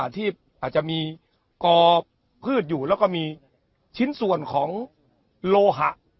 ที่อาจจะมีกอพืชอยู่แล้วก็มีชิ้นส่วนของโลหะ